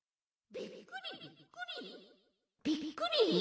びっくり！？